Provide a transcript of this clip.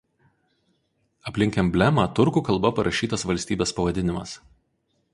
Aplink emblemą turkų kalba parašytas valstybės pavadinimas.